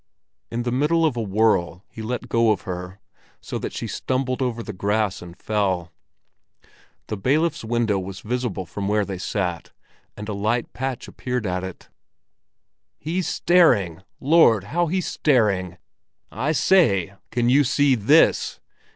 In the middle of a whirl he let go of her, so that she stumbled over the grass and fell. The bailiff's window was visible from where they sat, and a light patch had appeared at it. "He's staring! Lord, how he's staring! I say, can you see this?"